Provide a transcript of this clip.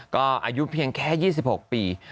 ก็อายุเพียงแค่๒๖ปี